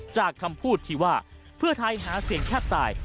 จากคำพูดที่ว่าเพื่อไทยหาเสียงแทบตาย